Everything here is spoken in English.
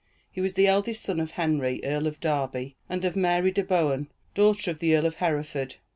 He was the eldest son of Henry, Earl of Derby, and of Mary de Bohun, daughter of the Earl of Hereford.